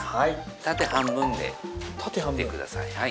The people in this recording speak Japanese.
縦半分で切ってください